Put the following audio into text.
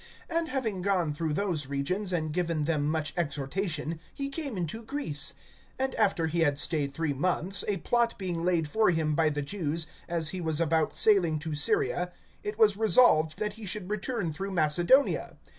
(2)And having gone through those regions, and given them much exhortation, he came into Greece. (3)And after he had stayed three months, a plot being laid for him by the Jews, as he was about sailing to Syria, it was resolved that he should return through Macedonia.